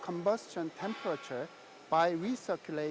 ini mengurangkan temperatur pengecualian